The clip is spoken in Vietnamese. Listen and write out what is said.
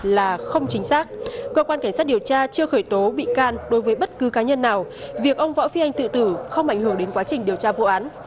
là không chính xác cơ quan cảnh sát điều tra chưa khởi tố bị can đối với bất cứ cá nhân nào việc ông võ phi anh tự tử không ảnh hưởng đến quá trình điều tra vụ án